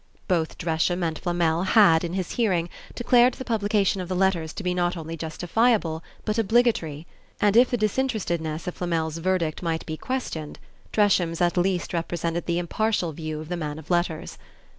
Both Dresham and Flamel had, in his hearing, declared the publication of the letters to be not only justifiable but obligatory; and if the disinterestedness of Flamel's verdict might be questioned, Dresham's at least represented the impartial view of the man of letters.